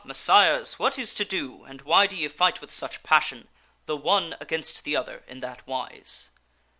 Messires, what is to do and why do ye fight with such passion, the one against the other, in that wise?"